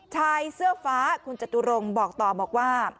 ชายเสื้อฟ้าคุณจตุรงค์บอกต่อบอกว่า